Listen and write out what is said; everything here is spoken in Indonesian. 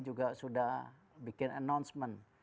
juga sudah bikin announcement